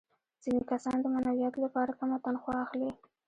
ځینې کسان د معنویاتو لپاره کمه تنخوا اخلي